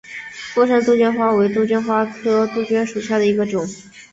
附生杜鹃为杜鹃花科杜鹃属下的一个种。